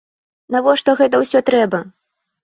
Навошта гэта ўсё трэба?